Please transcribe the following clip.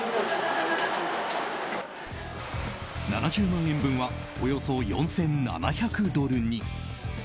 ７０万円分はおよそ４７００ドルに。